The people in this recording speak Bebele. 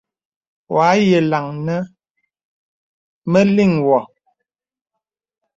Wɔ à yàlaŋ nə mə̀ liŋ wɔ.